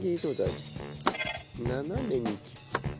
斜めに切って。